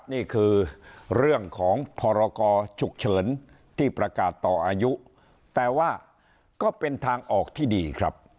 นี่คือเรื่องของพรกรฉุกเฉินที่ประกาศต่ออายุแต่ว่าก็เป็นทางออกที่ดีครับ